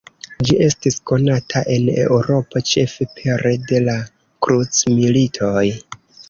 Ĝi estis konata en Eŭropo ĉefe pere de la krucmilitoj.